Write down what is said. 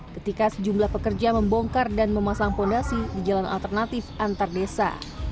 ketika sejumlah pekerja membongkar dan memasang fondasi di jalan alternatif antar desa